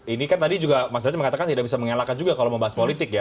ini kan tadi juga mas zaty mengatakan tidak bisa mengelakkan juga kalau membahas politik ya